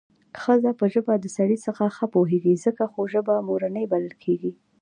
ښځه په ژبه د سړي څخه ښه پوهېږي څکه خو ژبه مورنۍ بلل کېږي